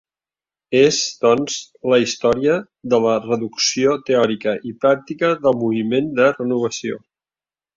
És, doncs, la història de la reducció teòrica i pràctica del moviment de renovació.